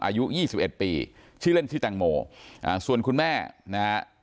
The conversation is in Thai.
อายุ๒๑ปีชื่อเล่นที่จังโมส่วนคุณแม่นะครับ